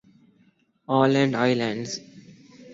Aland islands